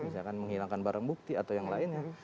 misalkan menghilangkan barang bukti atau yang lainnya